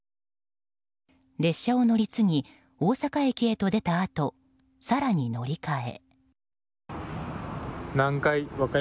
列車を乗り継ぎ大阪駅へと出たあと更に乗り換え。